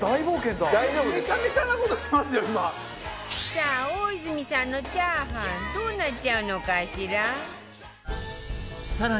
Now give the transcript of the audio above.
さあ大泉さんのチャーハンどうなっちゃうのかしら？